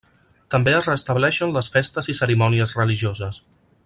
També es restableixen les festes i cerimònies religioses.